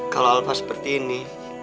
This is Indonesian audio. kalau alva seperti ini